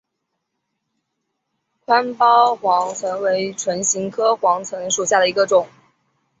宽苞黄芩为唇形科黄芩属下的一个种。